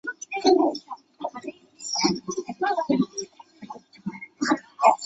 卡氏合跳蛛为跳蛛科合跳蛛属的动物。